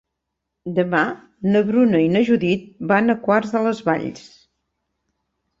Demà na Bruna i na Judit van a Quart de les Valls.